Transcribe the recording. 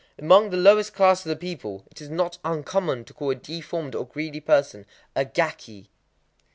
—Among the lowest classes of the people it is not uncommon to call a deformed or greedy person a "gaki."